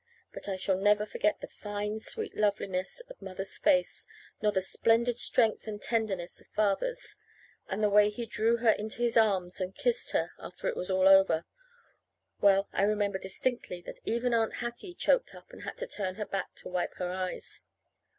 But I shall never forget the fine, sweet loveliness of Mother's face, nor the splendid strength and tenderness of Father's. And the way he drew her into his arms and kissed her, after it was all over well, I remember distinctly that even Aunt Hattie choked up and had to turn her back to wipe her eyes.